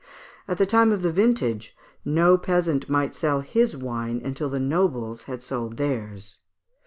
At the time of the vintage, no peasant might sell his wine until the nobles had sold theirs.